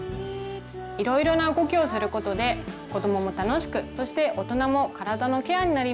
いろいろな動きをすることで子どもも楽しくそして大人も体のケアになります。